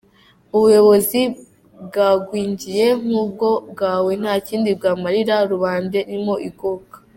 Ubuyobozi bwagwingiye nk’ubwo bwawe nta kindi bwamarira rubanda irimo igoka.